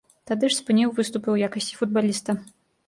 Тады ж спыніў выступы ў якасці футбаліста.